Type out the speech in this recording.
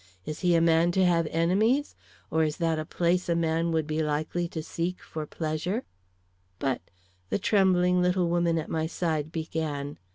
Is he a man to have enemies? or is that a place a man would be likely to seek for pleasure?" "But " the trembling little woman at my side began.